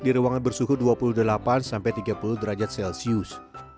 di ruangan bersuhu dua puluh delapan sampai tiga puluh derajat celcius